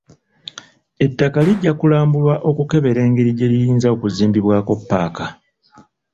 Ettaka lijja kulambulwa okukebera engeri gye liyinza okuzimbibwako ppaaka.